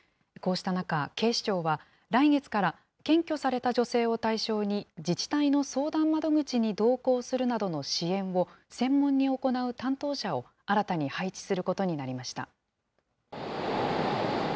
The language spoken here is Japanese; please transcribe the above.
こうした中、警視庁は来月から検挙された女性を対象に、自治体の相談窓口に同行するなどの支援を専門に行う担当者を新たに配置することになりました。